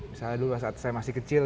misalnya dulu saat saya masih kecil